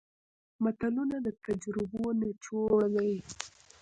متلونه د تجربو نچوړ دی